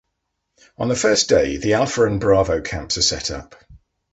On the first day, the Alpha and Bravo camps are set up.